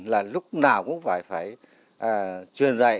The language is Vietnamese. và lúc nào cũng phải truyền dạy